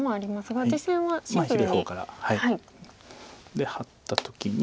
でハッた時に。